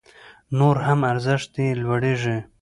نور هم ارزښت يې لوړيږي